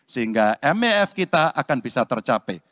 sehingga mef kita akan bisa tercapai